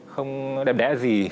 không đẹp đẽ gì